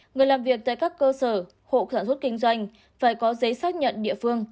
người làm việc tại các cơ sở hộ sản xuất kinh doanh phải có giấy xác nhận địa phương